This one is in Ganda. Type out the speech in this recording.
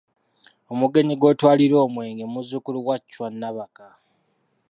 Omugenyi gw’otwalira omwenge muzzukulu wa Chwa Nabakka.